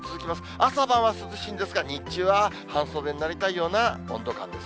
朝晩は涼しいんですが、日中は半袖になりたいような温度感です。